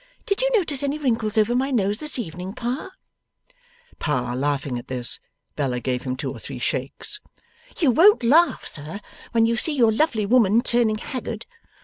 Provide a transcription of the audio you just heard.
Did you notice any wrinkles over my nose this evening, Pa?' Pa laughing at this, Bella gave him two or three shakes. 'You won't laugh, sir, when you see your lovely woman turning haggard.